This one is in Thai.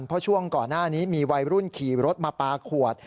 เพราะช่วงก่อนหน้านี้มีวัยรุ่นขี่รถมาปลาขวด